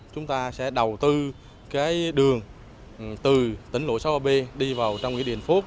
chúng ta sẽ đầu tư đường từ tỉnh nội sáu b đi vào trong nghĩa điện phúc